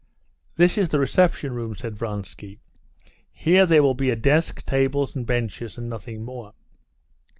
"This is the reception room," said Vronsky. "Here there will be a desk, tables, and benches, and nothing more."